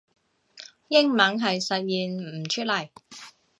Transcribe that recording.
英文係實現唔出嚟